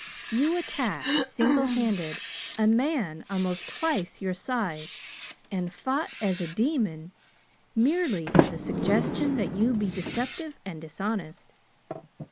You attacked single handed a man almost twice your size, and fought as a demon, merely at the suggestion that you be deceptive and dishonest.